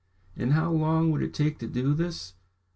And how long would it take to do this?